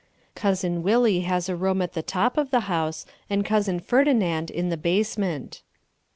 Cousin Willie has a room at the top of the house, and Cousin Ferdinand in the basement.